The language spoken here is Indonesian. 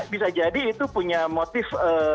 bisa jadi itu punya motif